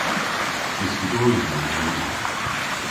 Dyskadoryon on ni.